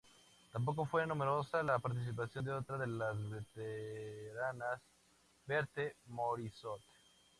Tampoco fue numerosa la participación de otra de las veteranas, Berthe Morisot.